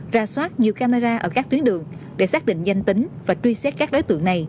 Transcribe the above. ra soát nhiều camera ở các tuyến đường để xác định danh tính và truy xét các đối tượng này